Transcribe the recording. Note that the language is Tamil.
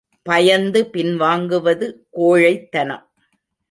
பயந்து பின்வாங்குவது கோழைத்தனம்.